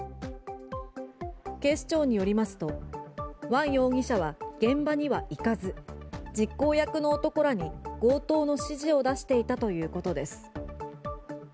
警視庁によりますとワン容疑者は現場には行かず実行役の男らに強盗の指示を出していたということです。